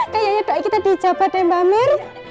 kayaknya doa kita di jabat ya mbak amir